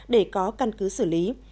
để có căn cứ xử lý